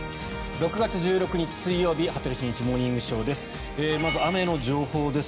６月１６日、水曜日「羽鳥慎一モーニングショー」。まず雨の情報です。